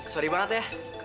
sorry banget ya